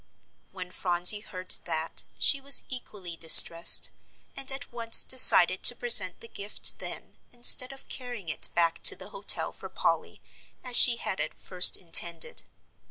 When Phronsie heard that, she was equally distressed, and at once decided to present the gift then instead of carrying it back to the hotel for Polly as she had at first intended.